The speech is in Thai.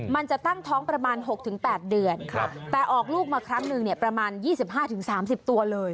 มันจะตั้งท้องประมาณ๖๘เดือนแต่ออกลูกมาครั้งหนึ่งประมาณ๒๕๓๐ตัวเลย